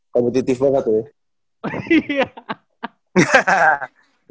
kompetitif banget loh ya